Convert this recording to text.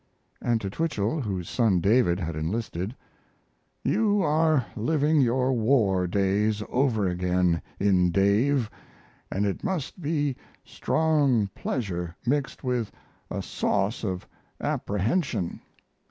And to Twichell, whose son David had enlisted: You are living your war days over again in Dave & it must be strong pleasure mixed with a sauce of apprehension....